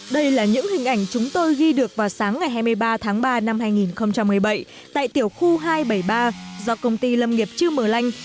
đây là những hình ảnh chúng tôi ghi được vào sáng ngày hai mươi ba tháng ba năm hai nghìn một mươi bảy tại tiểu khu hai trăm bảy mươi ba do công ty lâm nghiệp chư mờ lanh